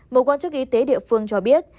một quan chức y tế địa phương cho biết